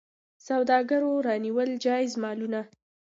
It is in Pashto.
سوداګرو رانیول جایز مالونه.